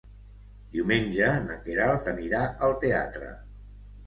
Diumenge na Queralt anirà al teatre.